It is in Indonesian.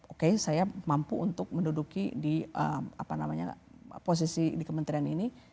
oke saya mampu untuk menduduki di posisi di kementerian ini